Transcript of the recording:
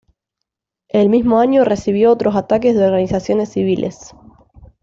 El mismo año recibió otros ataques de organizaciones civiles.